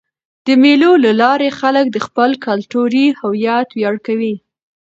د مېلو له لاري خلک د خپل کلتوري هویت ویاړ کوي.